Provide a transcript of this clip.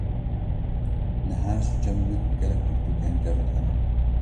niha jî cem min gelek pirtukên kevn hene.